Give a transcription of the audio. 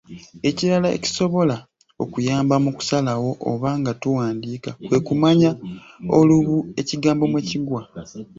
Ekirala ekisobola okuyamba mu kusalawo oba nga tuwandiika kwe kumanya olubu ekigambo mwe kigwa.